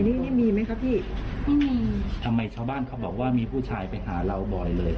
นี่นี่มีไหมครับพี่อืมทำไมชาวบ้านเขาบอกว่ามีผู้ชายไปหาเราบ่อยเลย